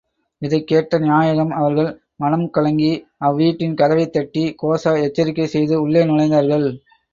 இதைக் கேட்ட நாயகம் அவர்கள் மனங்கலங்கி அவ்வீட்டின் கதவைத் தட்டி, கோஷா எச்சரிக்கை செய்து, உள்ளே நுழைந்தார்கள்.